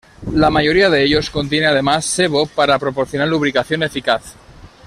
La mayoría de ellos contiene además sebo para proporcionar lubricación eficaz.